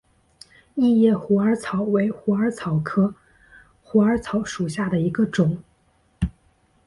异叶虎耳草为虎耳草科虎耳草属下的一个种。